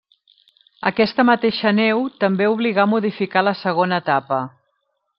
Aquesta mateixa neu també obligà a modificar la segona etapa.